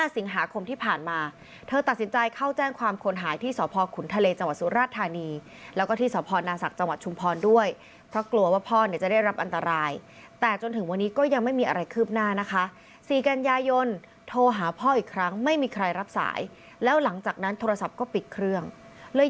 สิงหาคมที่ผ่านมาเธอตัดสินใจเข้าแจ้งความคนหายที่สพขุนทะเลจังหวัดสุราชธานีแล้วก็ที่สพนาศักดิ์จังหวัดชุมพรด้วยเพราะกลัวว่าพ่อเนี่ยจะได้รับอันตรายแต่จนถึงวันนี้ก็ยังไม่มีอะไรคืบหน้านะคะ๔กันยายนโทรหาพ่ออีกครั้งไม่มีใครรับสายแล้วหลังจากนั้นโทรศัพท์ก็ปิดเครื่องเลย